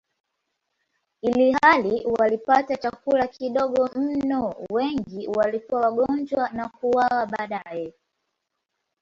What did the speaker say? Ilhali walipata chakula kidogo mno, wengi walikuwa wagonjwa na kuuawa baadaye.